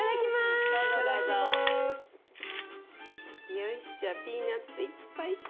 よしじゃあピーナツいっぱいつけて。